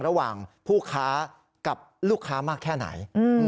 ระหว่างผู้ค้ากับลูกค้ามากแค่ไหน